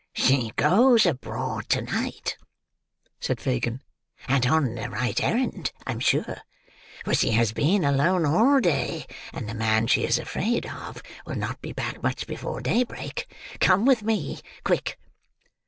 "She goes abroad to night," said Fagin, "and on the right errand, I'm sure; for she has been alone all day, and the man she is afraid of will not be back much before daybreak. Come with me. Quick!"